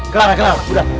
clara clara udah